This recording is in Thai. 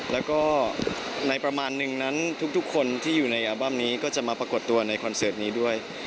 แล้วก็ในประมาณนึงนั้นทุกคนที่อยู่ในอัลบั้มนี้ก็จะมาปรากฏตัวในคอนเสิร์ตนี้ด้วย